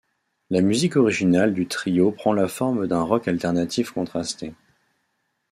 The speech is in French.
La musique originale du trio prend la forme d'un rock alternatif contrasté.